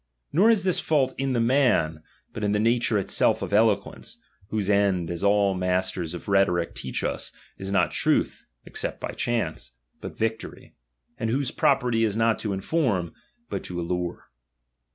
Nor is this fault in the man, but in the nature itself of eloquence, whose end, as all the masters of rheto ric teach us, is not truth (except by chance), but victory ; and whose property is not to iuform, but to allure.